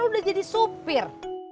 lu udah jadi supir